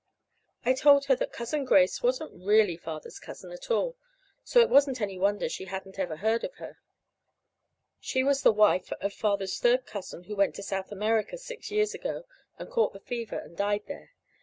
I told her that Cousin Grace wasn't really Father's cousin at all, so it wasn't any wonder she hadn't ever heard of her. She was the wife of Father's third cousin who went to South America six years ago and caught the fever and died there.